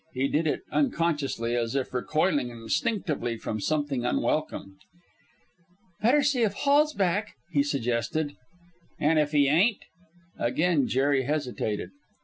He did it unconsciously, as if recoiling instinctively from something unwelcome. "Better see if Hall's back," he suggested. "And if he ain't?" Again Jerry hesitated.